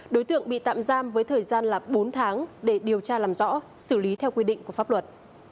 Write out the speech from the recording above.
đối tượng bị tạm giam với thời gian là bốn tháng để điều tra làm rõ xử lý theo quy định của pháp luật